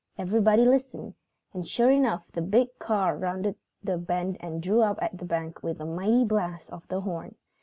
Everybody listened, and sure enough the big car rounded the bend and drew up at the bank with a mighty blast of the horn.